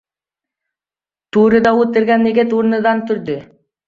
To‘rda o‘tirgan yigit o‘rnidan turdi.